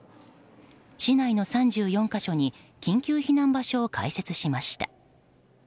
市内の３４か所に緊急避難場所を開設しました。